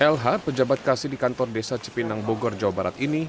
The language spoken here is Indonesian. lh pejabat kasih di kantor desa cipinang bogor jawa barat ini